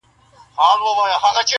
• ویرجینیا که په پسرلي کي -